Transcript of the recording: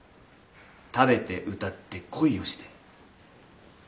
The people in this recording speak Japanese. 食べて歌って恋をして。